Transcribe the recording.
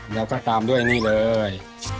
แล้วก็ตามด้วยนี่เลย